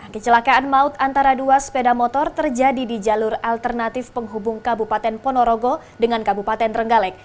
kecelakaan maut antara dua sepeda motor terjadi di jalur alternatif penghubung kabupaten ponorogo dengan kabupaten trenggalek